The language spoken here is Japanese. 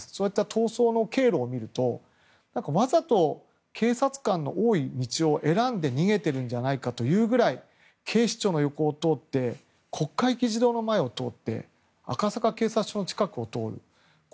逃走の経路を見るとわざと警察官の多い道を選んで逃げているんじゃないかというくらい警視庁の横を通って国会議事堂の前を通って赤坂警察署の近くを通る。